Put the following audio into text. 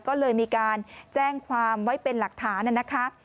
ก็เลยมีการแจ้งความไว้เป็นหลักฐานนะคะ